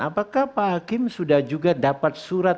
apakah pak hakim sudah juga dapat surat